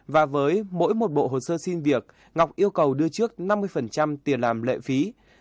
và với mỗi một bộ hồ sơ xin việc ngọc yêu cầu đưa trước năm mươi tiền làm lệ phí